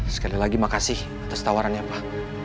sekali lagi makasih atas tawarannya pak